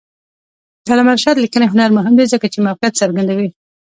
د علامه رشاد لیکنی هنر مهم دی ځکه چې موقعیت څرګندوي.